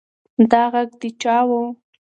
دا غږ د چا و؟